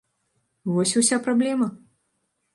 Вось і ўся праблема!